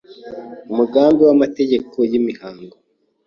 Umugambi w’amategeko y’imihango